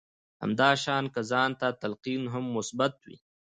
همدا شان که ځان ته تلقين هم مثبت وي.